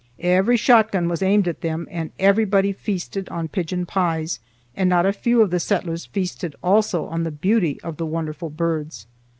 Every shotgun was aimed at them and everybody feasted on pigeon pies, and not a few of the settlers feasted also on the beauty of the wonderful birds.